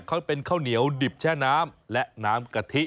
เขาเป็นข้าวเหนียวดิบแช่น้ำและน้ำกะทิ